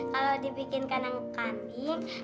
kalau dibikin kanang kambing